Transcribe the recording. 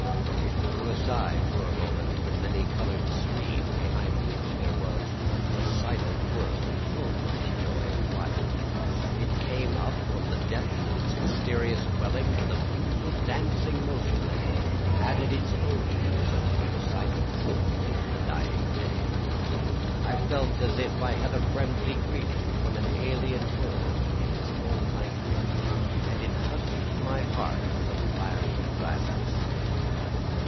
It drew aside for a moment the many coloured screen behind which there was a silent world full of the joy of life. It came up from the depths of its mysterious dwelling with a beautiful dancing motion and added its own music to the silent symphony of the dying day. I felt as if I had a friendly greeting from an alien world in its own language, and it touched my heart with a flash of gladness.